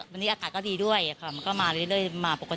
วันนี้อากาศก็ดีด้วยค่ะมันก็มาเรื่อยมาปกติ